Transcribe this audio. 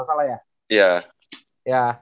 kalau nggak salah ya